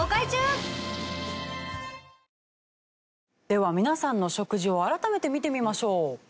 では皆さんの食事を改めて見てみましょう。